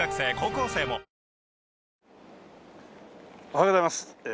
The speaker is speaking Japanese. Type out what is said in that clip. おはようございます。